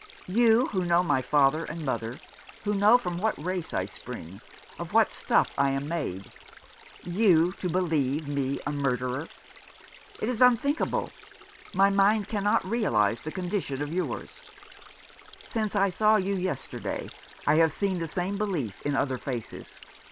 You, who know my father and mother, who know from what race I spring, of what stuff I am made ; you to believe me a murderer ! It is unthinkable ! My mind cannot realize the con dition of yours. "Since I saw you yesterday I have seen the 1 66 A Death blow. same belief in other faces.